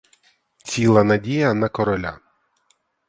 Ціла надія на короля.